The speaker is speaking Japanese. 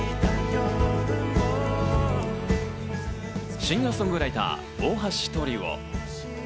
シンガー・ソングライター、大橋トリオ。